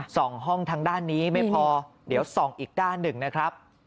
ส่องห้องทางด้านนี้ไม่พอเดี๋ยวส่องอีกด้านหนึ่งนะครับ